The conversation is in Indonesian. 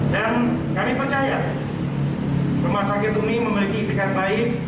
dan kami percaya rumah sakit umi memiliki ketika baik